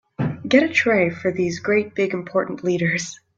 Get a tray for these great big important leaders.